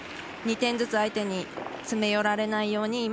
２点ずつ相手に詰め寄られないように。